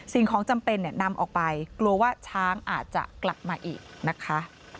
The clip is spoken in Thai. สิ่งของจำเป็นนำออกไปกลัวว่าช้างอาจจะกลับมาอีกนะคะ